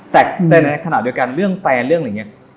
แต่ในขณะเดียวกันเรื่องแฟนเรื่องอะไรอย่างนี้